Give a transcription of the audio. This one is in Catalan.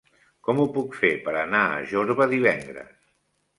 Com ho puc fer per anar a Jorba divendres?